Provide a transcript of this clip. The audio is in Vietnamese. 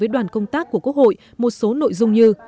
đoàn công tác của quốc hội một số nội dung như